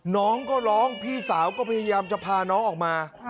น้องก็ร้องพี่สาวก็พยายามจะพาน้องออกมา